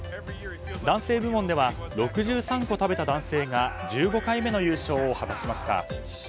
男性部門では６３個食べた男性が１５回目の優勝を果たしました。